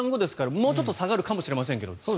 もうちょっと下がるかもしれませんが。